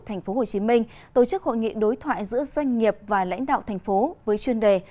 tp hcm tổ chức hội nghị đối thoại giữa doanh nghiệp và lãnh đạo thành phố với chuyên đề